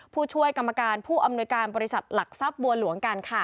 ผู้ช่วยกรรมการผู้อำนวยการบริษัทหลักทรัพย์บัวหลวงกันค่ะ